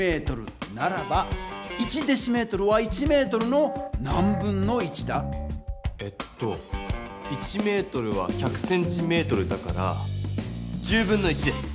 ならば１ｄｍは１ｍの何分の１だ？えっと１ｍは１００ｃｍだからです。